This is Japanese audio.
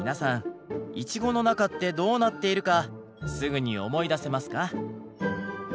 イチゴの中ってどうなっているかすぐに思い出せますか？